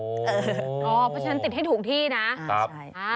เพราะฉะนั้นติดให้ถูกที่นะ